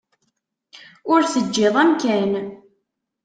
Ur teǧǧiḍ amkan.